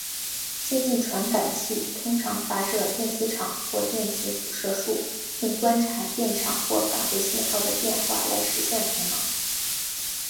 接近传感器通常发射电磁场或电磁辐射束并观察电场或返回信号的变化来实现功能。